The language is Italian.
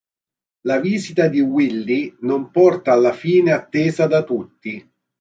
La visita di Willy non porta alla fine attesa da tutti.